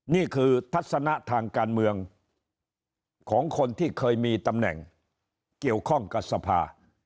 นี่คือทัศนะทางการเมืองของคนที่เคยมีตำแหน่งเกี่ยวข้องกับสภา